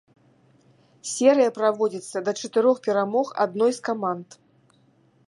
Серыя праводзіцца да чатырох перамог адной з каманд.